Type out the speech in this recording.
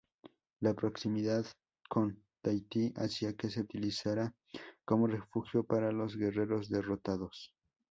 La proximidad con Tahití hacía que se utilizara como refugio para los guerreros derrotados.